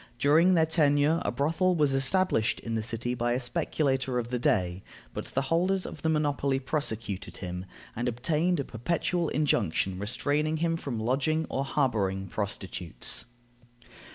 During their tenure, a brothel was established in the city by a speculator of the day, but the holders of the monopoly prosecuted him, and obtained a perpetual injunction restraining him from lodging or harboring prostitutes.